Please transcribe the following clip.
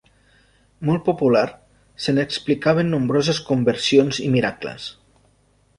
Molt popular, se n'explicaven nombroses conversions i miracles.